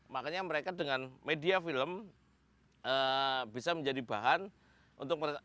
makanya mereka dengan media film bisa menjadi bahan untuk mereka belajar apapun di lungkungan mereka